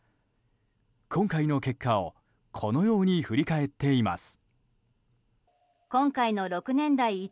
今回の結果をこのように振り返っています。